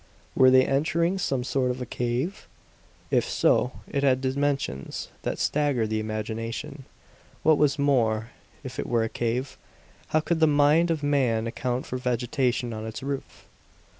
Were they entering some sort of a cave? If so, it had dimensions that staggered the imagination. What was more, if it were a cave, how could the mind of man account for vegetation on its roof?